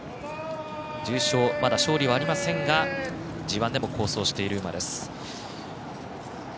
重賞、まだ勝利はありませんがＧＩでも好走している馬です。